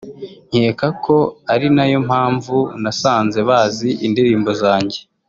nkeka ko ari nayo mpamvu nasanze bazi indirimbo zanjye